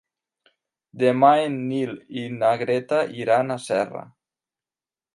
Demà en Nil i na Greta iran a Serra.